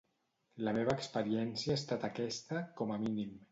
La meva experiència ha estat aquesta, com a mínim.